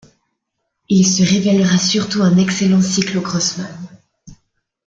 Il se révélera surtout un excellent cyclo-crossman.